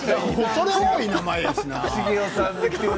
恐れ多い名前だしな。